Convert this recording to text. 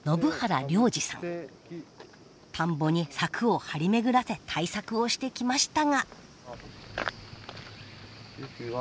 田んぼに柵を張り巡らせ対策をしてきましたが。